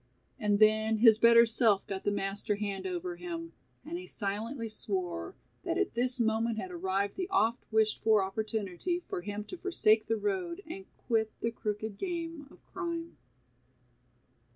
And then his better self got the master hand over him and he silently swore that at this moment had arrived the oft wished for opportunity for him to forsake the road and quit the crooked game of crime.